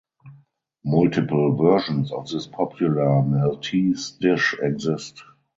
Multiple versions of this popular Maltese dish exist.